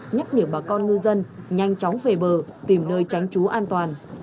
nhắc nhở bà con ngư dân nhanh chóng về bờ tìm nơi tránh trú an toàn